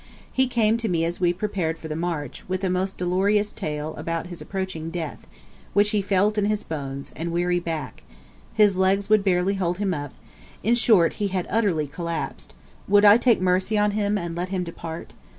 He came to me as we prepared for the march, with a most dolorous tale about his approaching death, which he felt in his bones, and weary back: his legs would barely hold him up; in short, he had utterly collapsed would I take mercy on him, and let him depart?